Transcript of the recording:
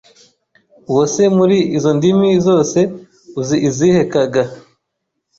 Uwo se muri izo ndimi zose uzi izihe Kaga: